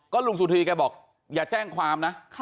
ลุงสุธีแกบอกอย่าแจ้งความนะ